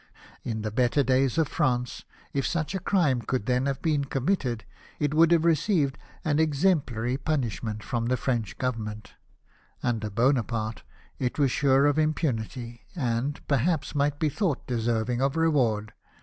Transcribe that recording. In the better days of France, if such a crime could then have been committed, it Avoul<l have received an exemplary punishment from thr French Government: under Bonaparte it was RESULTS OF THE BATTLE. ;H2:$ sure of impunity, and, perhaps, might be thought deserving of reward.